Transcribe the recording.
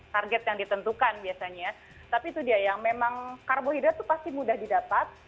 target yang ditentukan biasanya ya tapi itu dia yang memang karbohidrat itu pasti mudah didapat